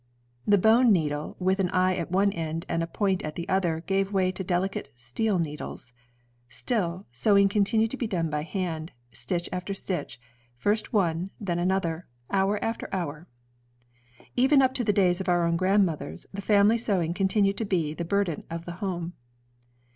The bone needle with an eye at one end and a point at the other gave way to delicate steel needles. Still, sewing continued to be done by hand, stitch after stitch, first one, then another, hour after hour. Even up to the days of our own grandmothers, the family sewing continued to be the burden of the home.